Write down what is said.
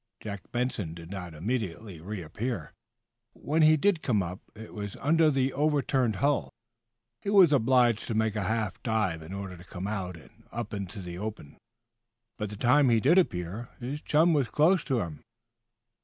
Jack Benson did not immediately reappear. When he did come up, it was under the over turned hull. He was obliged to make a half dive in order to come out and up in the open. By the time he did appear, his chum was close to him.